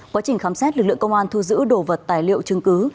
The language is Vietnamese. quá trình khám xét lực lượng công an thu giữ đồ vật tài liệu chứng cứ